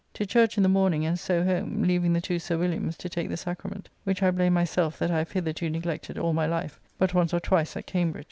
To church in the morning, and so home, leaving the two Sir Williams to take the Sacrament, which I blame myself that I have hitherto neglected all my life, but once or twice at Cambridge.